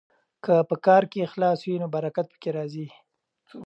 که په کار کې اخلاص وي نو برکت پکې راځي.